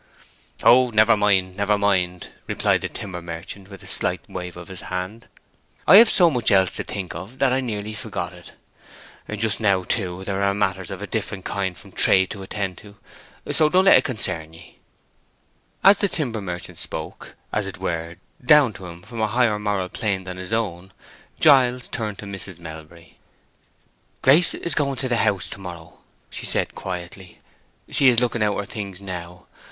"Oh, never mind—never mind," replied the timber merchant, with a slight wave of his hand, "I have so much else to think of that I nearly had forgot it. Just now, too, there are matters of a different kind from trade to attend to, so don't let it concern ye." As the timber merchant spoke, as it were, down to him from a higher moral plane than his own, Giles turned to Mrs. Melbury. "Grace is going to the House to morrow," she said, quietly. "She is looking out her things now.